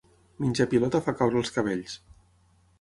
Menjar pilota fa caure els cabells.